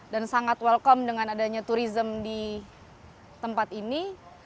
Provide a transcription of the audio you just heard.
dan sangat welcome dengan adanya turism di tempat ini